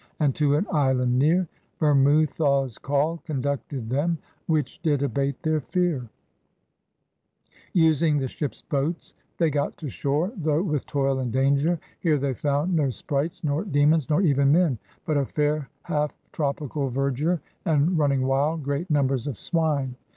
And to au Hand neare, Bermoothawes called, conducted them, Which did abate their feare. Using the ship's boats they got to shore, though with toil and danger. Here they found no sprites nor demons, nor even men, but a fair, half tropical verdure and, running wild, great numbers of swine.